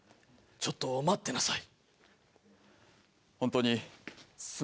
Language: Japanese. ちょっと待ってなさい。